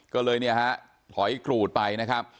ก็เลยเนี่ยฮะถอยกรูดไปนะครับ